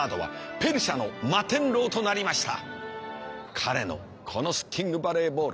彼のこのシッティングバレーボール。